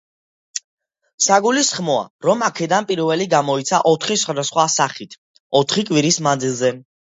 საგულისხმოა რომ აქედან პირველი გამოიცა ოთხი სხვადასხვა სახით, ოთხი კვირის მანძილზე.